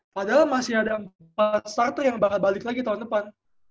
padahal masih ada empat strategi yang bakal balik lagi tahun depan